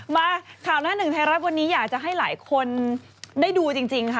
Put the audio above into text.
มาข่าวหน้าหนึ่งไทยรัฐวันนี้อยากจะให้หลายคนได้ดูจริงค่ะ